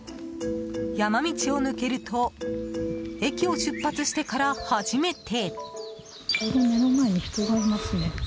山道を抜けると駅を出発してから初めて。